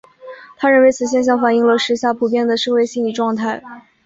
他认为此现象反映了时下普遍的社会心理状态。